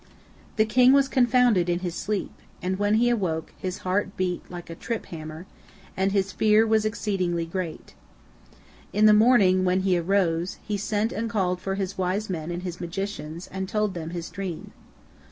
The king was confounded in his sleep, and when he awoke, his heart beat like a trip hammer, and his fear was exceeding great. In the morning, when he arose, he sent and called for his wise men and his magicians, and told them his dream.